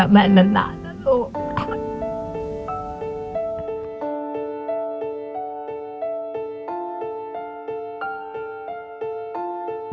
แม่นานนะลูก